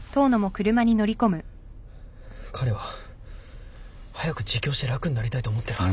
彼は早く自供して楽になりたいと思ってるはずです。